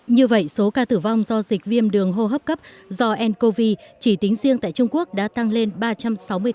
như vậy số ca tử vong do dịch viêm đường hô hấp cấp do ncov chỉ tính riêng tại trung quốc đã tăng lên ba trăm sáu mươi ca